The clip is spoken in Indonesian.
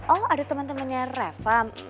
oh ada temen temennya rafa